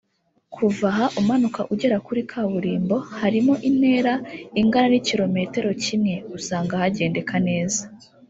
Kuva aha umanuka ugera kuri kaburimbo (harimo intera ingana n’ikilometero kimwe) usanga hagendeka neza